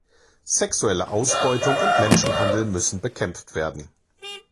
Sexuelle Ausbeutung und Menschenhandel müssen bekämpft werden.